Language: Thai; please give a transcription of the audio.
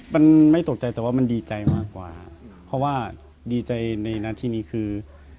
มันไม่ตกใจแต่ว่ามันดีใจมากกว่าเพราะว่าดีใจในหน้าที่นี้คือ